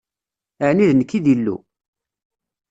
Ɛni d nekk i d Illu?